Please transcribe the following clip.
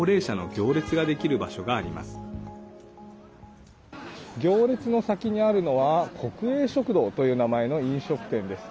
行列の先にあるのは国営食堂という名前の飲食店です。